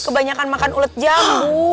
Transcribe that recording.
kebanyakan makan ulet jam bu